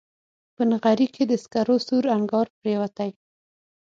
په نغري کې د سکرو سور انګار پرېوتی